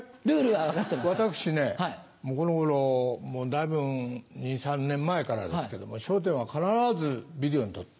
私ねこの頃もうだいぶん２３年前からですけども『笑点』は必ずビデオにとって。